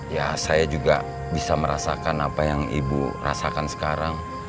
ya saya juga bisa merasakan apa yang ibu rasakan sekarang